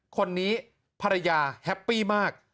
คนนี้ภรรยาแฮปปี้มาก